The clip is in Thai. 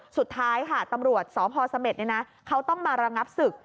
สุดท้ายค่ะตำรวจสพเสม็ดเขาต้องมาระงับศึก